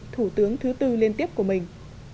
thủ tướng thứ tư liên tiếp của mình